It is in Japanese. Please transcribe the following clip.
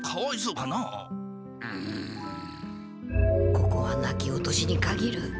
ここはなき落としにかぎる。